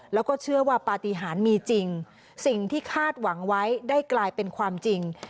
แล้วก็เชื่อว่าปฏิหารมีจริงสิ่งที่คาดหวังไว้ได้กลายเป็นความจริง